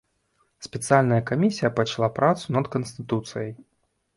Спецыяльная камісія пачала працу над канстытуцыяй.